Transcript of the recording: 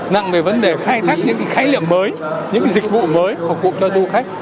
nặng về vấn đề khai thác những cái khái liệu mới những cái dịch vụ mới phục vụ cho du khách